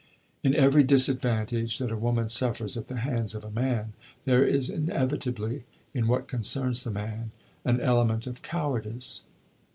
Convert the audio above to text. In every disadvantage that a woman suffers at the hands of a man, there is inevitably, in what concerns the man, an element of cowardice.